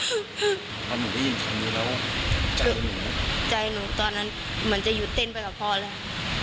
เพราะหนูได้ยินคำนี้แล้วใจหนูตอนนั้นเหมือนจะหยุดเต้นไปกับพ่อแล้ว